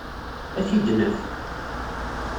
Ad t-id-naf.